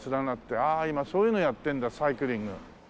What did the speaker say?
ああ今そういうのやってんだサイクリング。